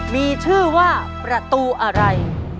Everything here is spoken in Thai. มีชื่อว่าประตูอะไร